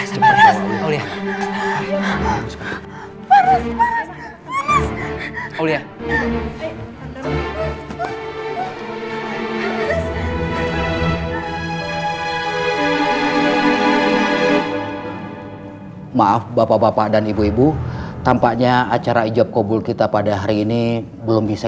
hai hai hai maaf bapak bapak dan ibu ibu tampaknya acara ijab qabul kita pada hari ini belum bisa